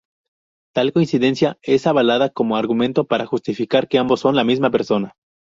Tal coincidencia es avalada como argumento para justificar que ambos son la misma persona.